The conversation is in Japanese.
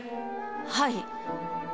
はい。